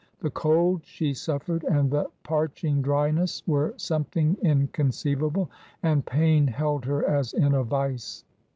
The cold she suffered and the parch ing dryness were something inconceivable; and pain held her as in a vice.